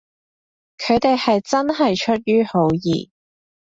佢哋係真係出於好意